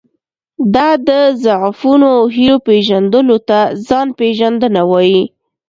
دا د ضعفونو او هیلو پېژندلو ته ځان پېژندنه وایي.